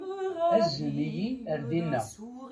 Azen-iyi ar dina.